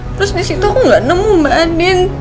terus disitu aku gak nemu mbak andin